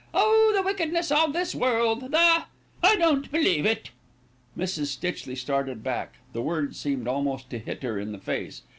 Oh! the wickedness of this world, the " "I don't believe it." Mrs. Stitchley started back. The words seemed almost to hit her in the face.